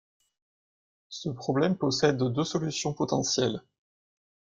Ce problème possède deux solutions potentielles.